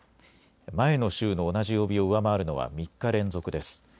前の週の同じ曜日を上回るのは３日連続です。